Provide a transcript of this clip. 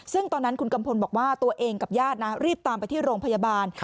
ซึ่งตอนนั้นคุณกัมพลบอกว่าตัวเองกับญาตินะรีบตามไปที่โรงพยาบาล